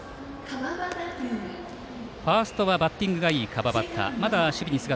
ファーストはバッティングがいい川端。